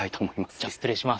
じゃ失礼します。